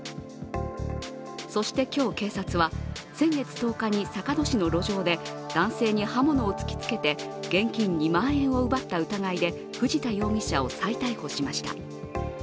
そして今日、警察は先月１０日に坂戸市の路上で男性に刃物を突きつけて、現金２万円を奪った疑いで、藤田容疑者を再逮捕しました。